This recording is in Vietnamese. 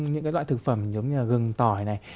những cái loại thực phẩm giống như gừng tỏi này